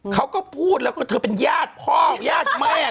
เขาก็พูดแล้วก็เธอเป็นญาติพ่อญาติแม่